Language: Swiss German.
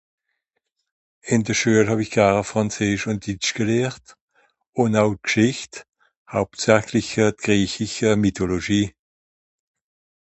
Ìn de Schüel hàw-ich garn frànzeesch ùn ditsch gelehrt. Ùn au Gschìcht. Hauptsachlisch euh... d'grechische Mythologie.